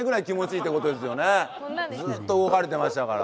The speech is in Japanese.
ずっと動かれてましたから。